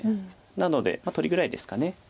なので取りぐらいですか。